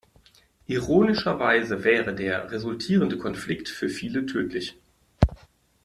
Ironischerweise wäre der resultierende Konflikt für viele tödlich.